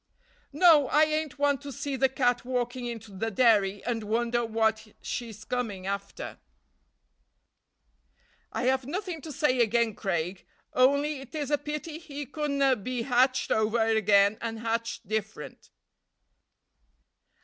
"No, I ain't one to see the cat walking into the dairy and wonder what she's come after." "I have nothing to say again' Craig, on'y it is a pity he couldna be hatched o'er again, and hatched different."